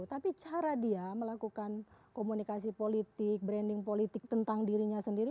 tapi cara dia melakukan komunikasi politik branding politik tentang dirinya sendiri